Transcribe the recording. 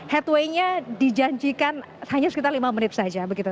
headwaynya dijanjikan hanya sekitar lima menit saja begitu